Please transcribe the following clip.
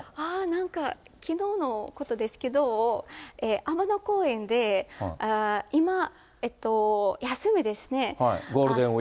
なんか、きのうのことですけど、あまの公園で、今、休みですね。